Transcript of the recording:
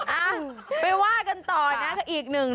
อ่ะไปวาดกันต่ออีกหนึ่ง